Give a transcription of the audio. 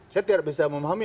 saya tidak bisa memahami